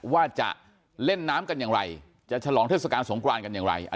ว่าจะเล่นน้ำกันอย่างไรจะฉลองเทศกาลสงครานกันอย่างไร